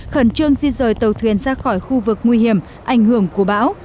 khẩn trương di rời tàu thuyền ra khỏi khu vực nguy hiểm ảnh hưởng của bão